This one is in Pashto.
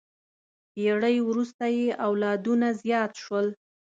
پېړۍ وروسته یې اولادونه زیات شول.